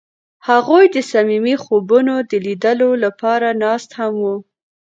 هغوی د صمیمي خوبونو د لیدلو لپاره ناست هم وو.